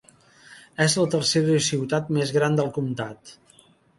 És la tercera ciutat més gran del comtat.